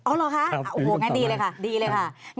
เหรอคะโอ้โหงั้นดีเลยค่ะดีเลยค่ะ